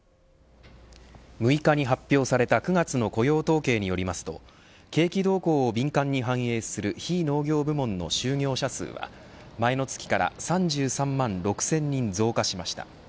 ６日に発表された９月の雇用統計によりますと景気動向を敏感に反映する非農業部門の就業者数は前の月から３３万６０００人増加しました。